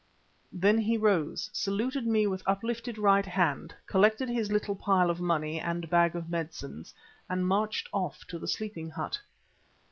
Then he rose, saluted me with uplifted right hand, collected his little pile of money and bag of medicines and marched off to the sleeping hut.